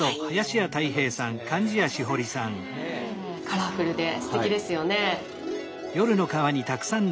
カラフルですてきですよね。